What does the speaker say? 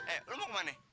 eh lu mau kemana